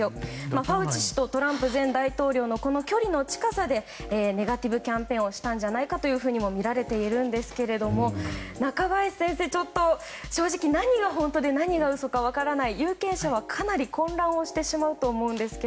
ファウチ氏とトランプ前大統領の距離の近さでネガティブキャンペーンをしたんじゃないかとも見られているんですが中林先生、ちょっと正直何が本当で何が嘘か分からない有権者はかなり混乱してしまうと思います。